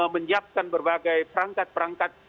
menyiapkan berbagai perangkat perangkat